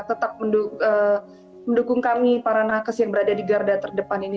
tetap mendukung kami para nakes yang berada di garda terdepan ini